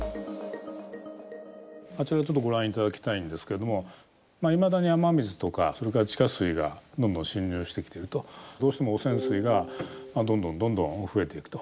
あちら、ちょっとご覧いただきたいんですけれどもいまだに雨水とかそれから地下水がどんどん浸入してきてると。どうしても、汚染水がどんどん、どんどん増えていくと。